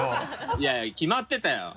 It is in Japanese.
いやいやキマってたよ。